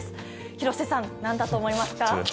廣瀬さん、何だと思いますか？